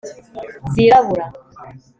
zirabura